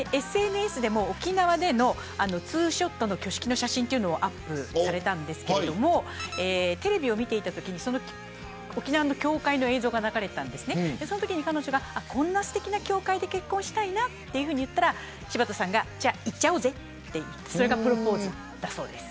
ＳＮＳでも沖縄でのツーショットの挙式の写真をアップされたんですけどテレビを見ていたときに沖縄の教会の映像が流れたときに彼女が、こんなすてきな教会で結婚したいなと言ったら柴田さんがじゃあ、行っちゃおうぜとそれがプロポーズだそうです。